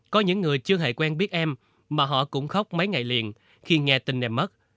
có những người chưa hề quen biết em mà họ cũng khóc mấy ngày liền khi nghe tin đẹp mất